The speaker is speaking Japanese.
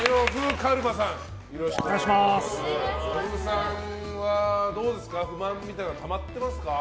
呂布さんはどうですか不満みたいなのはたまってますか。